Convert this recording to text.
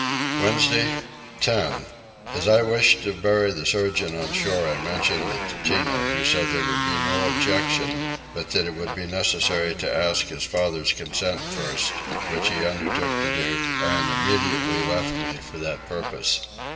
Wednesday 10. As I wished to bury the surgeon on shore I mentioned it to Tinah, who said there would be no objection but that it would be necessary to ask his father's consent first; which he undertook to do and immediately left me for that purpose.